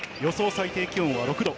最低気温は６度。